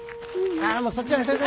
あもうそっちじゃ。